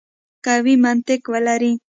قوي منطق ولري.